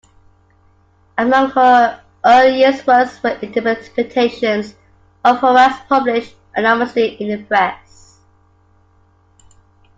Among her earliest works were interpretations of Horace, published anonymously in the press.